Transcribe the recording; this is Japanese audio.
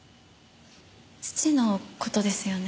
父の事ですよね？